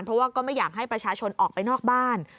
เพราะว่าก็ไม่อยากให้ประชาชนออกไปนอกบ้าน